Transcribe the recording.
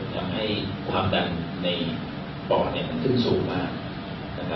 ทำให้ความดันในปอดมันขึ้นสูงมาก